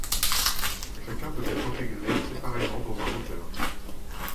Chacun peut être intégré séparément dans un routeur.